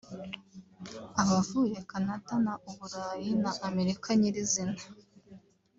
abavuye Canada na u Burayi na Amerika nyirizina